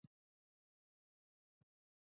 په خندا يې وويل دا هم دحمزه بابا شعر دىه.